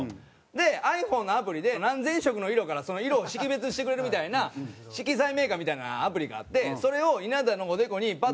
でｉＰｈｏｎｅのアプリで何千色の色からその色を識別してくれるみたいな色彩メーカーみたいなアプリがあってそれを稲田のおでこにパッと当てた時に出た色が